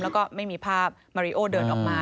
แล้วก็ไม่มีภาพมาริโอเดินออกมา